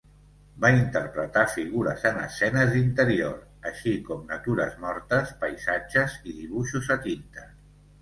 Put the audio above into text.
Va interpretar figures en escenes d'interior, així com natures mortes, paisatges i dibuixos a tinta.